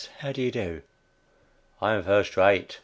How do you do?] I'm first rate.